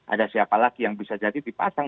ada siapa lagi yang bisa jadi dipasang